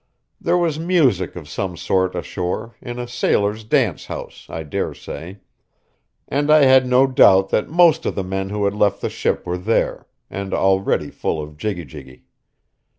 There was music of some sort ashore, in a sailors' dance house, I dare say; and I had no doubt that most of the men who had left the ship were there, and already full of jiggy jiggy.